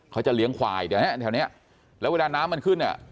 เขาจะเลี้ยงควายแถวเนี้ยแถวเนี้ยแล้วเวลาน้ำมันขึ้นเนี่ย